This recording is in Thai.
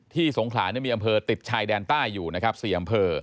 สงขลามีอำเภอติดชายแดนใต้อยู่นะครับ๔อำเภอ